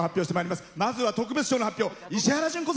まずは特別賞の発表。